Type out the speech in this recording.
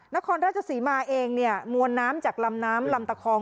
นครราชศรีมาเองเนี่ยมวลน้ำจากลำน้ำลำตะคอง